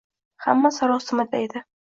Hamma sarosimada edi.